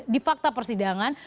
di fakta persidangan